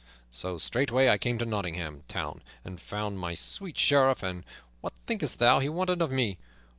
So straightway I came to Nottingham Town and found my sweet Sheriff; and what thinkest thou he wanted of me?